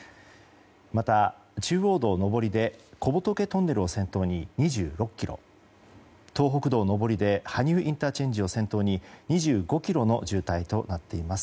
また、中央道上りで小仏トンネルを先頭に２６ｋｍ東北道上りで、羽生ＩＣを先頭に２５ｋｍの渋滞となっています。